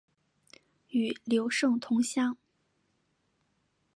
与刘胜同乡。